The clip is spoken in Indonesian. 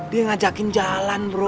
dia ngajakin jalan bro